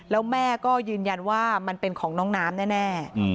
แล้วแม่ก็ยืนยันว่ามันเป็นของน้องน้ำแน่